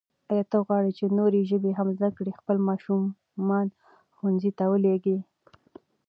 آیا ته غواړې چې نورې ژبې هم زده کړې؟ خپل ماشومان ښوونځیو ته ولېږئ.